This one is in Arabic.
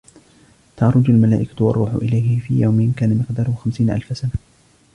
تَعْرُجُ الْمَلائِكَةُ وَالرُّوحُ إِلَيْهِ فِي يَوْمٍ كَانَ مِقْدَارُهُ خَمْسِينَ أَلْفَ سَنَةٍ